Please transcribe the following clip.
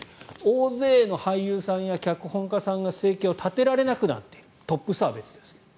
大勢の俳優さんや脚本家さんが生計を立てられなくなっているトップスターは別です。